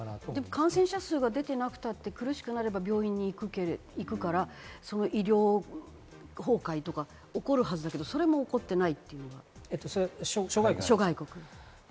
感染者数が出ていなくたって、苦しくなったら病院に行くから、医療崩壊とか起こるはずだけど、それも起こっていない、諸外国では。